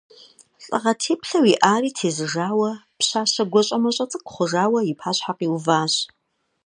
Лӏыгъэ теплъэу иӏари тезыжауэ пщащэ гуащӏэмащӏэ цӏыкӏу хъужауэ и пащхьэ къиуващ.